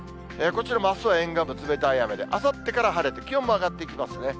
こちらもあすは沿岸部、冷たい雨で、あさってから晴れて、気温も上がっていきますね。